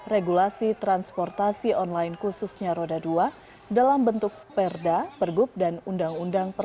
regulasi transportasi online khususnya roda dua dalam bentuk perda pergub dan undang undang